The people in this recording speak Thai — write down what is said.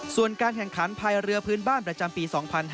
ส่วนการแข่งขันภายเรือพื้นบ้านประจำปี๒๕๕๙